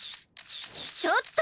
ちょっと！